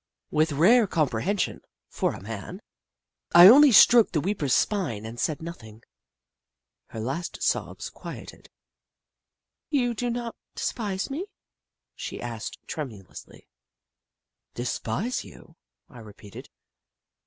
With rare comprehension, for a man, I only stroked the weeper's spine and said nothing. At last her sobs quieted. " You do not de spise me ?" she asked, tremulously. "Despise you?" I repeated.